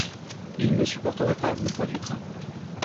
il ne supporterait pas le poids du train.